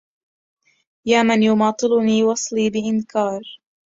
يا من يماطلني وصلي بإنكار